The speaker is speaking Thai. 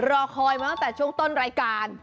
รอคอยมาตั้งแต่ช่วงต้นรายการ